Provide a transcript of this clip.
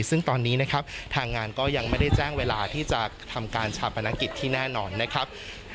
ซึ่งตอนนี้นะครับทางงานก็ยังไม่ได้แจ้งเวลาที่จะทำการชาปนกิจที่แน่นอนนะครับ